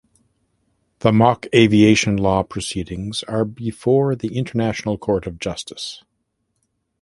The mock aviation law proceedings are before the International Court of Justice.